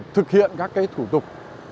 thực hiện các cái thủ tục